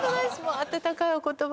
温かいお言葉！